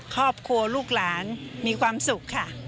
ครอบครัวลูกหลานมีความสุขค่ะ